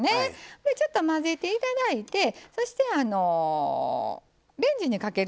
でちょっと混ぜて頂いてそしてレンジにかけるんですけど。